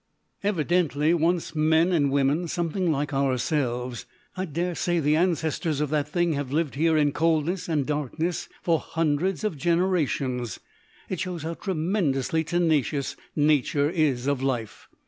Evidently once men and women, something like ourselves. I daresay the ancestors of that thing have lived here in coldness and darkness for hundreds of generations. It shows how tremendously tenacious Nature is of life.